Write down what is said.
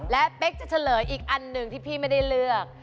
และเป๊กจะเฉลยอีกอันหนึ่งที่พี่ไม่ได้เลือก